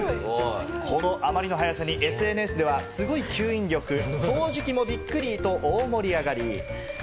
このあまりの速さにＳＮＳではすごい吸引力、掃除機もびっくり！と大盛りあがり。